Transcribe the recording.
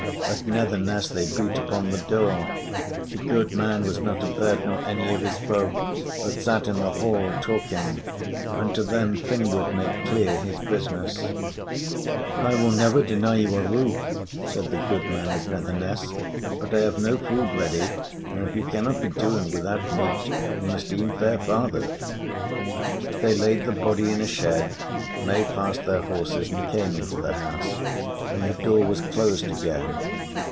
At Netherness they beat upon the door. The goodman was not abed nor any of his folk, but sat in the hall talking; and to them Finnward made clear his business. "I will never deny you a roof," said the goodman of Netherness. "But I have no food ready, and if you cannot be doing without meat, you must e'en fare farther." They laid the body in a shed, made fast their horses, and came into the house, and the door was closed again.